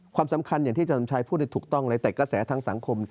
ความสำคัญอย่างที่อาจารย์ชัยพูดได้ถูกต้องเลยแต่กระแสทางสังคม